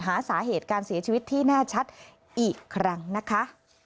หาสาเหตุการเสียชีวิตที่แน่ชัดอีกครั้งนะคะ